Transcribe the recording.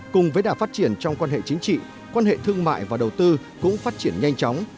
cùng với đả phát triển trong quan hệ chính trị quan hệ thương mại và đầu tư cũng phát triển nhanh chóng